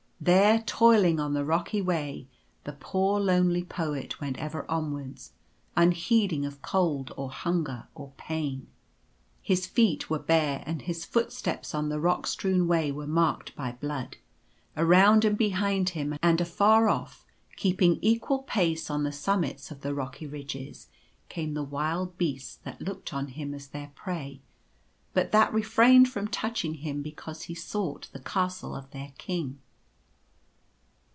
There toiling on the rocky way, the poor lonely Poet went ever onwards, unheeding of cold or hunger or pain. His feet were bare, and his footsteps on the rock strewn way were marked by blood. Around and behind him, and afar off keeping equal pace on the summits of the rocky ridges, came the wild beasts that looked on him as their prey, but that refrained from touching him be cause he sought the Castle of their King.